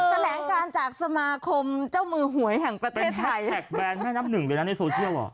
แถลงการจากสมาคมเจ้ามือหวยแห่งประเทศไทยแท็กแบรนด์แม่น้ำหนึ่งเลยนะในโซเชียลอ่ะ